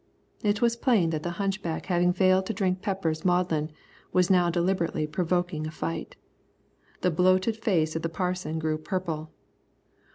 It was plain that the hunchback having failed to drink Peppers maudlin, was now deliberately provoking a fight. The bloated face of the Parson grew purple.